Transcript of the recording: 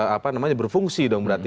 apa namanya berfungsi dong berarti